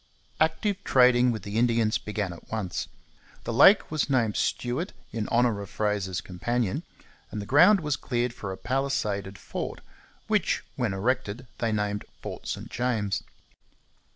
Active trading with the Indians began at once. The lake was named Stuart in honour of Fraser's companion, and the ground was cleared for a palisaded fort, which, when erected, they named Fort St James.